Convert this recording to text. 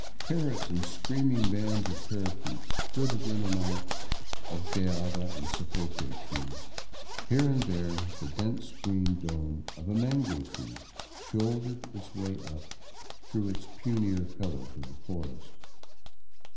Parrots and screaming bands of parrakeets flitted in and out of guayaba and sapote trees ; here and there the dense green dome of a mango tree shouldered its way up through its punier fellows of the forest.